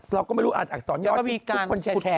เราก็ไม่รู้อักษรย่อที่ทุกคนแชร์กัน